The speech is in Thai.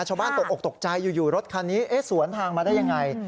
ตกออกตกใจอยู่รถคันนี้สวนทางมาได้ยังไง